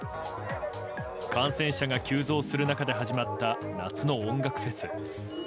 感染者が急増する中で始まった夏の音楽フェス